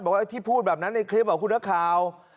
บอกว่าที่พูดแบบนั้นในคลิปของคุณฮาว